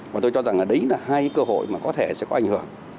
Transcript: và tôi cho rằng là đấy là hai cơ hội mà có thể sẽ có ảnh hưởng